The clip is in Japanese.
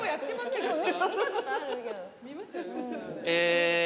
え。